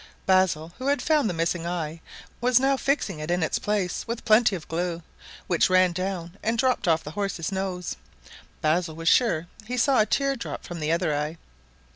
Basil, who had found the missing eye, was now fixing it in its place with plenty of glue, which ran down and dropped off the horse's nose. Basil was sure he saw a tear drop from the other eye.